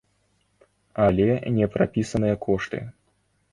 Але не прапісаныя кошты.